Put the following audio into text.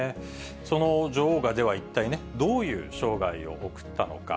その女王が、では一体、どういう生涯を送ったのか。